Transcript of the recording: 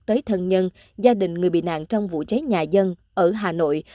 tới thân nhân gia đình người bị nạn trong vụ cháy nhà dân ở hà nội